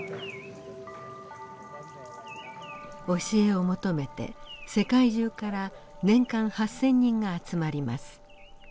教えを求めて世界中から年間８，０００人が集まります。